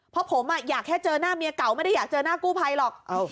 เพราะผมอยากแค่เจอหน้าเมียเก่าไม่ได้อยากเจอหน้ากู้ภัยหรอก